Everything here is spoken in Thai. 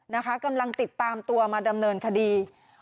นะคะกำลังติดตามตัวมาดำเนินคดี